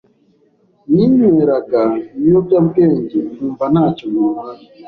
ninyweraga ibiyobyabwenge nkumva nta cyo bintwaye,